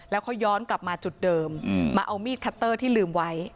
แล้วเขาย้อนกลับมาจุดเดิมมาเอามีดคัตเตอร์ที่ลืมไว้